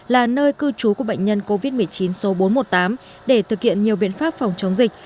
là nơi cư trú của bệnh nhân covid một mươi chín số bốn trăm một mươi tám để thực hiện nhiều biện pháp phòng chống dịch